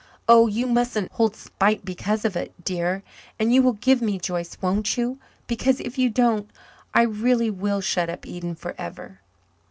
"Oh, you mustn't hold spite because of it, dear; And you will give me Joyce, won't you? Because if you don't, I really will shut up Eden forever."